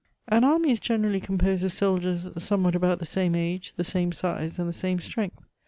An army is generally composed of soldiers somewhat about the same age, the same size, and the same strength.